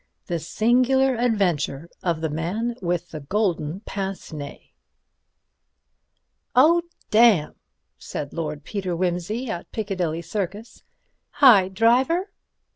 The Singular Adventure of the Man with the Golden Pince Nez I "Oh, damn!" said Lord Peter Wimsey at Piccadilly Circus. "Hi, driver!"